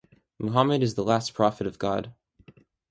Muhammad is the last Prophet of God.